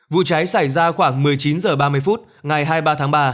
vụ cháy xảy ra khoảng một mươi chín h ba mươi phút ngày hai mươi ba tháng ba